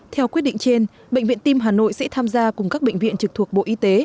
theo quyết định trên bệnh viện tim hà nội sẽ tham gia cùng các bệnh viện trực thuộc bộ y tế